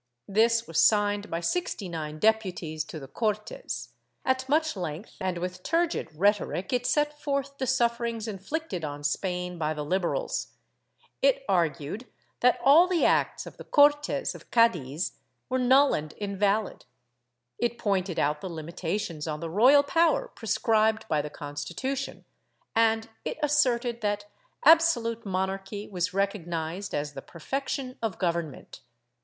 This was signed by sixty nine deputies to the Cortes; at much length and with turgid rhetoric it set forth the sufferings inflicted on Spain by the Liberals; it argued that all the acts of the Cortes of Cadiz were null and invalid; it pointed out the limitations on the royal power prescribed by the Constitution, and it asserted that absolute monarchy was recognized as the perfection of government.